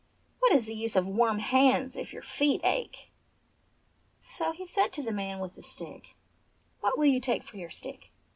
"What is the use of warm hands if your feet ache!" So he said to the man with the stick, "What will you take for your stick